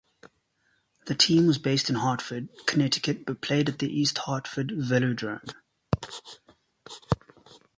The team was based in Hartford, Connecticut but played at the East Hartford Velodrome.